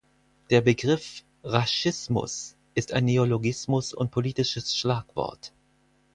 Der Begriff „Raschismus“ ist ein Neologismus und politisches Schlagwort.